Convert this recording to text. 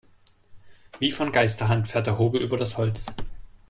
Wie von Geisterhand fährt der Hobel über das Holz.